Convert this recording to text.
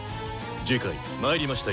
次回「魔入りました！